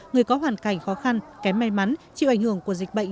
người có hoàn cảnh khó khăn kém may mắn chịu ảnh hưởng của dịch bệnh